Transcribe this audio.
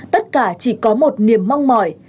tất cả chỉ có một niềm mong mỏi